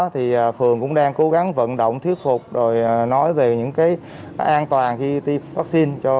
thì phường cũng đang cố gắng vận động thuyết phục rồi nói về những cái an toàn khi tiêm vaccine